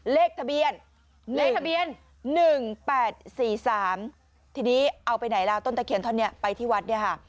เลขทะเบียนเลขทะเบียน๑๘๔๓ทีนี้เอาไปไหนล่ะต้นตะเคียนท่อนนี้ไปที่วัดเนี่ยค่ะ